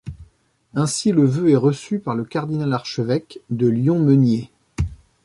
Ainsi, le vœu est reçu par le cardinal-archevêque de Lyon Meunier.